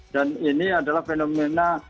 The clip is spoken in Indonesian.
dan ini adalah fenomena